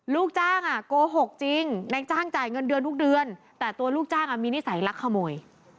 ลูกจ้างโกหกจริงนายจ้างจ่ายเงินเดือนทุกเดือนแต่ตัวลูกจ้างมีนิสัยลักขโมย